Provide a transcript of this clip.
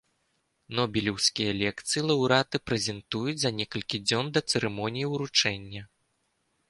Нобелеўскія лекцыі лаўрэаты прэзентуюць за некалькі дзён да цырымоніі ўручэння.